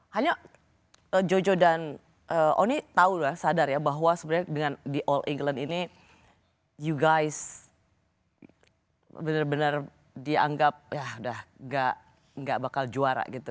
hanya jojo dan oni tahu lah sadar ya bahwa sebenarnya dengan di all england ini you guys ⁇ benar benar dianggap ya udah gak bakal juara gitu